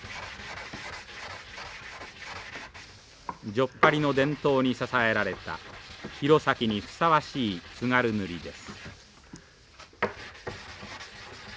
じょっぱりの伝統に支えられた弘前にふさわしい津軽塗です。